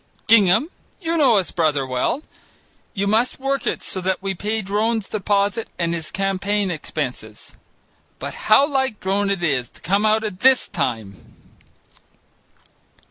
Gingham, you know his brother well; you must work it so that we pay Drone's deposit and his campaign expenses. But how like Drone it is to come out at this time!"